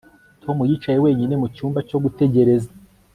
Tom yicaye wenyine mu cyumba cyo gutegereza